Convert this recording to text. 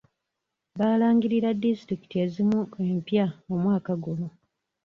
Baalangirira disitulikiti ezimu empya omwaka guno.